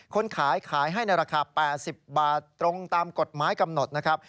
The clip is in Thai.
คนขายขายให้ในราคา๘๐บาทตรงตามกฎหมายกำหนดนะครับ